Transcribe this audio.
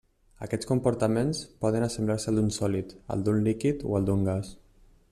Aquests comportaments poden assemblar-se al d'un sòlid, al d'un líquid o al d'un gas.